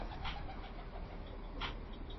Otros casos fueron por protesta.